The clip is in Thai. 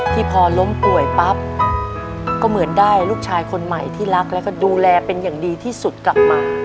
พอล้มป่วยปั๊บก็เหมือนได้ลูกชายคนใหม่ที่รักแล้วก็ดูแลเป็นอย่างดีที่สุดกลับมา